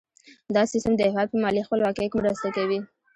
دا سیستم د هیواد په مالي خپلواکۍ کې مرسته کوي.